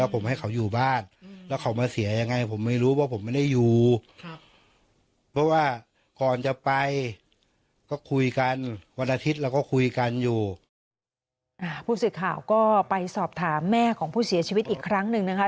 ผู้สื่อข่าวก็ไปสอบถามแม่ของผู้เสียชีวิตอีกครั้งหนึ่งนะคะ